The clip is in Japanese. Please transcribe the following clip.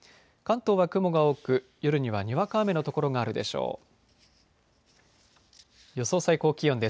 関東は雲が多く夜にはにわか雨の所があるでしょう。